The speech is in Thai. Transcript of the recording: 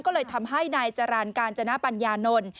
ก็เลยทำให้นายจรรย์กาญจนปัญญานนท์